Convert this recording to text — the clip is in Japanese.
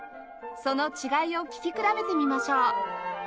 その違いを聴き比べてみましょう